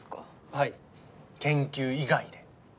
はい研究以外で。